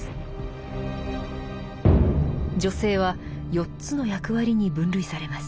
女性は４つの役割に分類されます。